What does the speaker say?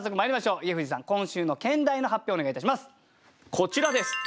こちらです。